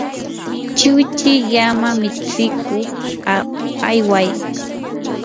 chiwchi llama mitsikuq ayway.